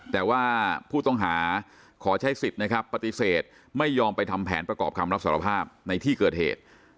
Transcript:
แต่ว่าผู้ต้องหาขอใช้สิทธิ์นะครับปฏิเสธไม่ยอมไปทำแผนประกอบคำรับสารภาพในที่เกิดเหตุ